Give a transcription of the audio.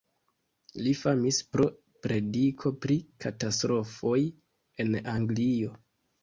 Li famis pro prediko pri katastrofoj en Anglio.